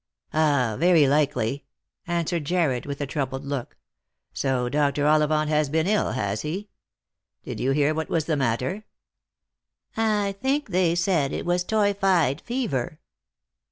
" Ah, very likely," answered Jarred, with a troubled look. " So Dr. Ollivant has been ill, has he? Did you hear what was the matter ?"" I think they said it was toyphide fever."